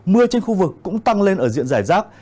mưa trên khu vực cũng tăng lên ở diện giải rác